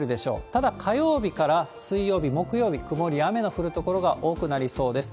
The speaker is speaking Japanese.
ただ、火曜日から水曜日、木曜日、曇りや雨の降る所が多くなりそうです。